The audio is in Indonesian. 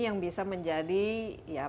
yang bisa menjadi ya